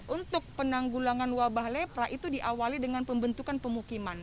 untuk penanggulangan wabah lepra itu diawali dengan pembentukan pemukiman